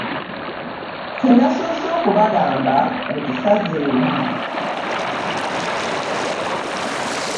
Kye nasoose okubagamba mukisazeemu.